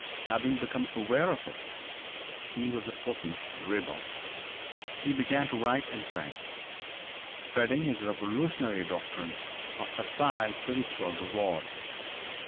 Having become aware of it, he was a potent rebel. He began to write in French, spreading his revolutionary doctrine of facile spiritual reward.